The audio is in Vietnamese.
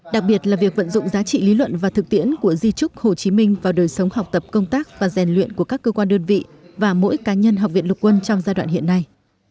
đặc biệt là việc vận dụng giá trị lý luận và thực tiễn của di trúc hồ chí minh vào đời sống học tập công tác và rèn luyện của các cơ quan đơn vị và mỗi cá nhân học viện lục quân trong giai đoạn hiện nay